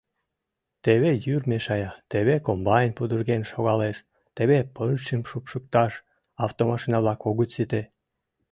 Теве йӱр мешая, теве комбайн пудырген шогалеш, теве пырчым шупшыкташ автомашина-влак огыт сите.